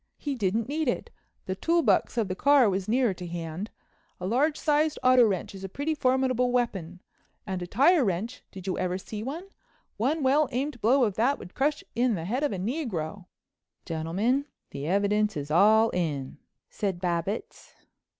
He didn't need it. The tool box of the car was nearer to hand. A large sized auto wrench is a pretty formidable weapon, and a tire wrench—did you ever see one? One well aimed blow of that would crush in the head of a negro." "Gentlemen, the evidence is all in," said Babbitts.